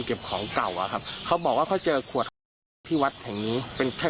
เก็บของเก่าคับเขาบอกว่าเขาเจอขวดถี่วัดแบบนี้เป็นแค่